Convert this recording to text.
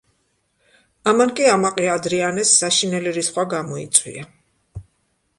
ამან კი ამაყი ადრიანეს საშინელი რისხვა გამოიწვია.